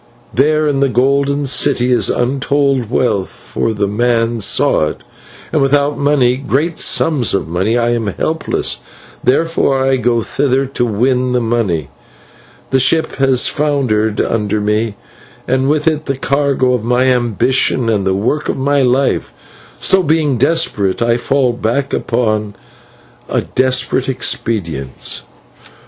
There in the Golden City is untold wealth, for the man saw it, and without money, great sums of money, I am helpless, therefore I go thither to win the money. The ship has foundered under me, and with it the cargo of my ambitions and the work of my life; so, being desperate, I fall back upon a desperate expedient.